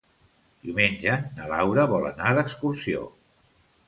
Diumenge na Laura vol anar d'excursió.